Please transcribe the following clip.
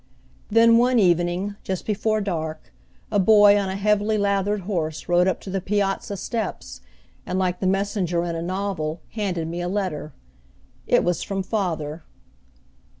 Then one evening, just before dark, a boy on a heavily lathered horse rode up to the piazza steps, and, like the messenger in a novel, handed me a letter. It was from father.